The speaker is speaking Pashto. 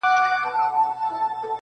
لا یې خوله وي د غلیم په کوتک ماته--!